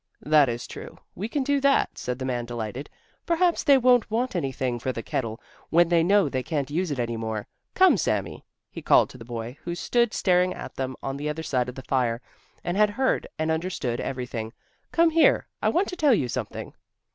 "That is true. We can do that," said the man, delighted; "perhaps they won't want anything for the kettle when they know they can't use it any more. Come, Sami," he called to the boy, who stood staring at them on the other side of the fire, and had heard and understood everything "come here, I want to tell you something."